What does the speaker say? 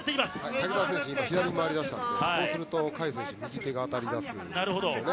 瀧澤選手、今左に回りだしたのでそうすると海選手の右手が当たりますね。